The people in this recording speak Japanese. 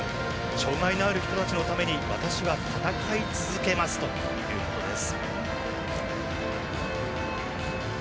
障がいのある人たちのために私は戦い続けますということです。